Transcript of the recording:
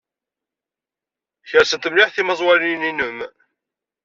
Kersent mliḥ tmaẓwalin-nnem.